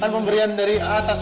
kan pemberian dari atas